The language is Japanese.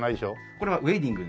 これはウェディング。